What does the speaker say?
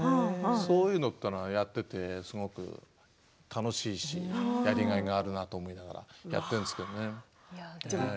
そういうのというのをやっていてすごく楽しいしやりがいがあるなと思ってやっているんですけどね。